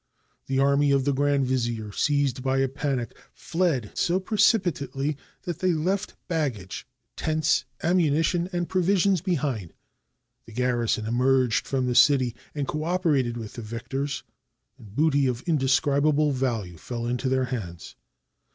The army of the grand vizier, seized by a panic, fled so precipitately that they left baggage, tents, am munition, and provisions behind. The garrison emerged from the city, and cooperated with the victors, and booty of indescribable value fell into their hands.